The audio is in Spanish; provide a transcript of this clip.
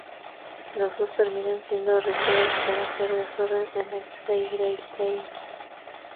Los dos terminan siendo arrestados por hacer desorden en el Seireitei.